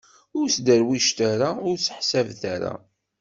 Ur sderwicet ara, ur sseḥsabet ara.